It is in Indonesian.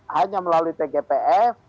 hanya melalui tgpf